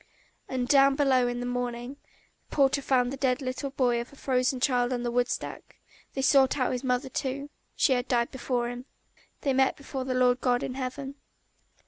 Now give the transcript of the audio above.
And down below in the morning the porter found the little dead body of the frozen child on the woodstack; they sought out his mother too.... She had died before him. They met before the Lord God in heaven.